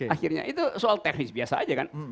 akhirnya itu soal teknis biasa aja kan